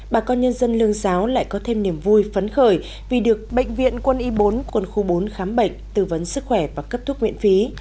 bà con nhân dân lương giáo lại có thêm niềm vui phấn khởi vì được bệnh viện quân y bốn quân khu bốn khám bệnh tư vấn sức khỏe và cấp thuốc miễn phí